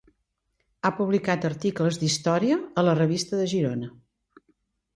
Ha publicat articles d'història a la Revista de Girona.